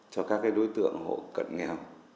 cho các đối tượng hộ cận nghèo